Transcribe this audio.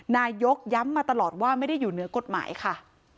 นายกย้ำมาตลอดว่าไม่ได้อยู่เหนือกฎหมายค่ะ